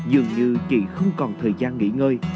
dường như chị không còn thời gian nghỉ ngơi